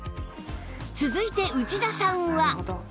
続いて内田さんは